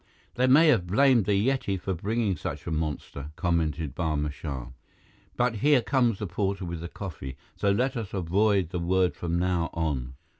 "They may have blamed the Yeti for bringing such a monster," commented Barma Shah. "But here comes the porter with the coffee. So let us avoid the word from now on."